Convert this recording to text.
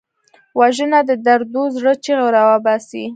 وژنه د دردو زړه چیغې راوباسي